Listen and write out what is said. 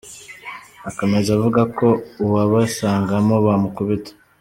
Akomeza avuga ko uwabasangamo bamukubita.